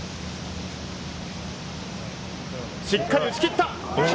しっかり打ち切った！